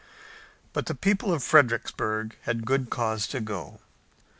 But the people of Fredericksburg had good cause to go.